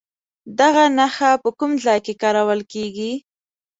دغه نښه په کوم ځای کې کارول کیږي؟